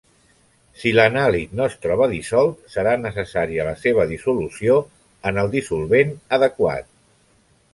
Si l'anàlit no es troba dissolt, serà necessària la seva dissolució en el dissolvent adequat.